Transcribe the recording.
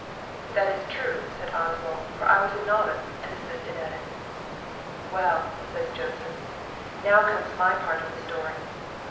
"That is true," said Oswald; "for I was a novice, and assisted at it." "Well," says Joseph, "now comes my part of the story.